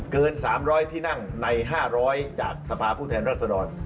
เกิน๓๐๐ที่นั่งใน๕๐๐จากสภาพผู้แทนรัศดร